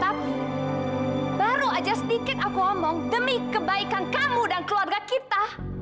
tapi baru aja sedikit aku ngomong demi kebaikan kamu dan keluarga kita